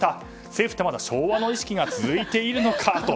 政府って、まだ昭和の意識が続いているのかと。